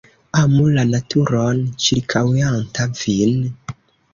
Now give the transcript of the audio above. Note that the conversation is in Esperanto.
Amu la naturon ĉirkaŭanta vin.